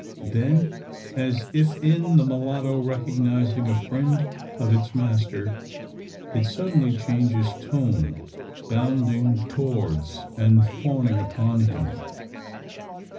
Then, as if in the mulatto recognising a friend of its master, it suddenly changes tone, bounding towards and fawning upon him.